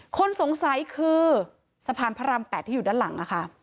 คนสงสัยคือสะพานพระราม๘ที่อยู่ด้านหลัง